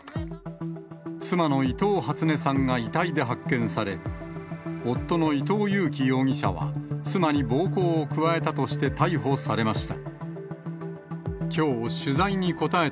妻の伊藤初音さんが遺体で発見され、夫の伊藤裕樹容疑者は、妻に暴行を加えたとして逮捕されました。